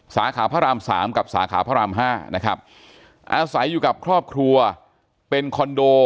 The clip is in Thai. สาขาพระรามสามกับสาขาพระรามห้านะครับอาศัยอยู่กับครอบครัวเป็นคอนโด